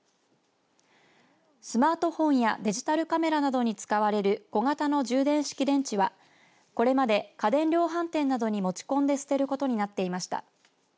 スマートフォンやデジタルカメラなどに使われる小型の充電式電池はこれまで家電量販店などに持ち込んで捨てることになっていました。